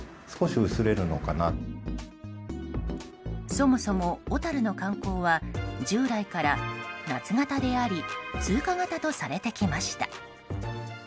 そもそも、小樽の観光は従来から夏型であり通過型とされてきました。